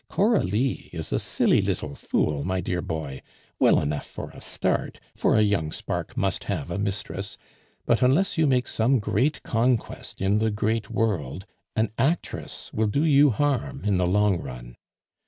Coralie is a silly little fool, my dear boy, well enough for a start, for a young spark must have a mistress; but unless you make some great conquest in the great world, an actress will do you harm in the long run.